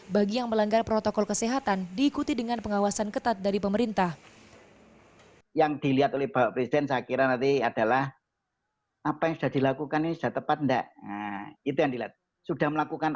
bagi yang melanggar protokol kesehatan diikuti dengan pengawasan ketat dari pemerintah